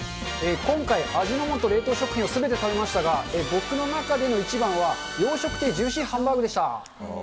今回、味の素冷凍食品をすべて食べましたが、僕の中での一番は、洋食亭ジューシーハンバーグでした。